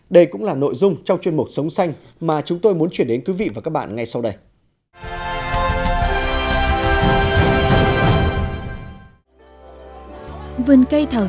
đây cũng là nội dung trong chuyên mục sống xanh mà chúng tôi muốn chuyển đến quý vị và các bạn ngay sau đây